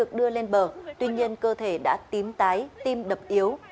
được đưa lên bờ tuy nhiên cơ thể đã tím tái tim đập yếu